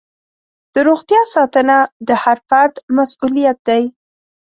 د روغتیا ساتنه د هر فرد مسؤلیت دی.